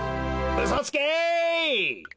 うそつけ！